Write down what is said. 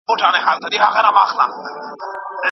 خو د حق ویل د ایماندارۍ نښه ده.